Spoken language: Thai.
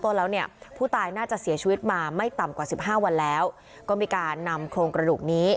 ต่ำกว่าสิบห้าวันแล้วก็มีการนำโครงกระดูกนี้